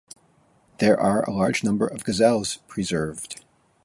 There are a large number of Gazelles preserved.